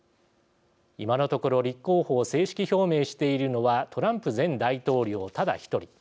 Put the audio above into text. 今のところ、立候補を正式表明しているのはトランプ前大統領ただ１人。